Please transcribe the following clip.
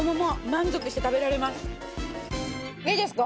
いいですか？